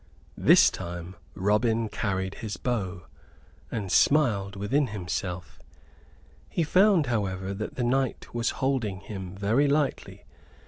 This time Robin carried his bow and smiled within himself. He found, however, that the knight was holding him very lightly.